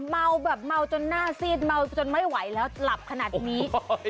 เมาแบบเมาจนหน้าซีดเมาจนไม่ไหวแล้วหลับขนาดนี้